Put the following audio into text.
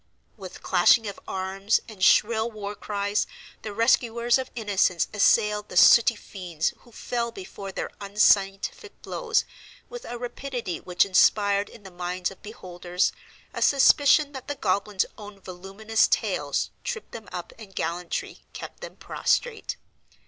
With clashing of arms and shrill war cries the rescuers of innocence assailed the sooty fiends who fell before their unscientific blows with a rapidity which inspired in the minds of beholders a suspicion that the goblins' own voluminous tails tripped them up and gallantry kept them prostrate.